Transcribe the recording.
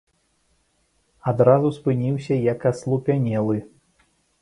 І адразу спыніўся як аслупянелы.